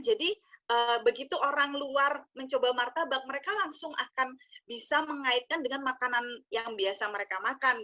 jadi begitu orang luar mencoba martabak mereka langsung akan bisa mengaitkan dengan makanan yang biasa mereka makan gitu